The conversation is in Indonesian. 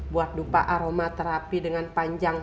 buat dupa aroma terapi dengan panjang